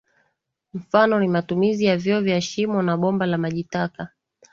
Mfano ni matumizi ya vyoo vya shimo na bomba la maji taka